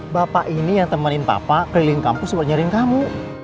bapak ini yang temanin papa keliling kampus buat nyariin kamu